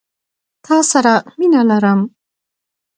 تا سره مينه لرم.